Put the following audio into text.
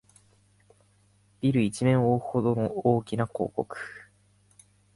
ビル一面をおおうほどの大きな広告